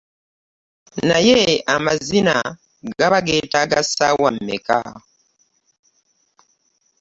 Naye amazina gaba geetaaga ssaawa mmeka?